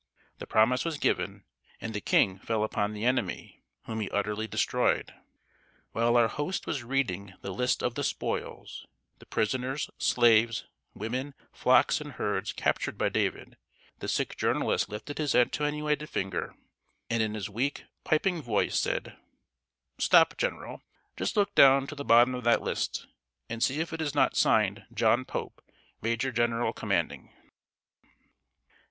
The promise was given, and the king fell upon the enemy, whom he utterly destroyed. While our host was reading the list of the spoils, the prisoners, slaves, women, flocks and herds captured by David, the sick journalist lifted his attenuated finger, and in his weak, piping voice, said: "Stop, General; just look down to the bottom of that list, and see if it is not signed John Pope, Major General commanding!"